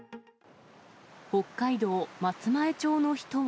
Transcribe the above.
北海道松前町の人は。